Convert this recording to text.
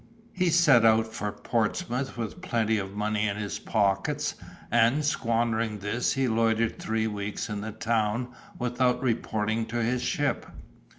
He set out for Portsmouth with plenty of money in his pockets, and squandering this he loitered three weeks in the town without reporting to his ship.